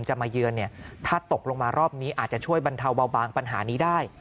มาเยือนเนี่ยถ้าตกลงมารอบนี้อาจจะช่วยบรรเทาเบาบางปัญหานี้ได้